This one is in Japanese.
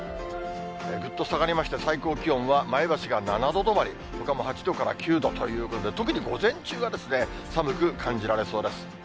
ぐっと下がりまして、最高気温は前橋が７度止まり、ほかも８度から９度ということで、特に午前中が寒く感じられそうです。